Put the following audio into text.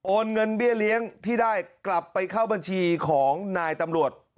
เงินเบี้ยเลี้ยงที่ได้กลับไปเข้าบัญชีของนายตำรวจ